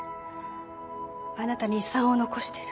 あなたに遺産を残してる